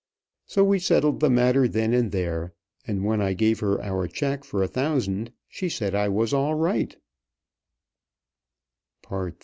So we settled the matter then and there; and when I gave her our check for a thousand, she said I was all right.